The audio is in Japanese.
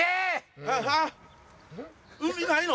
海ないの？